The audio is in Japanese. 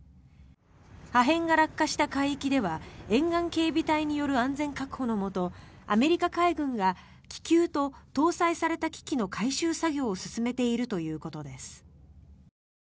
破片が落下した海域では沿岸警備隊による安全確保のもとアメリカ海軍が、気球と搭載された機器の回収作業を進めているということです。